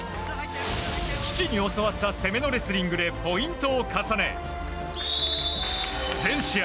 父に教わった攻めのレスリングでポイントを重ね全試合